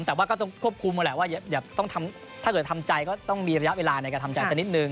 แต่ว่าก็ต้องควบคุมนั่นแหละว่าถ้าเกิดทำใจก็ต้องมีระยะเวลาในการทำใจสักนิดนึง